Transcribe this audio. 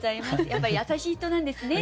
やっぱ優しい人なんですね。